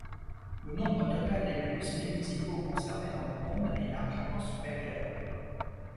Le nombre total des manuscrits musicaux conservés dans le monde est largement supérieur.